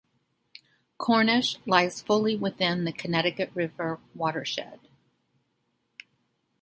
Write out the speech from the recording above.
Cornish lies fully within the Connecticut River watershed.